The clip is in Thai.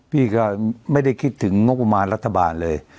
พี่ก็ไม่ได้คิดถึงงบประมาณรัฐบาลเลย